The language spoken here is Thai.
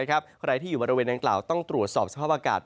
ใครที่อยู่บริเวณดังกล่าวต้องตรวจสอบสภาพอากาศ